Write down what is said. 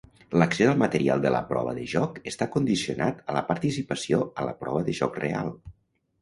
L'accés al material de la prova de joc està condicionat a la participació a la prova de joc real.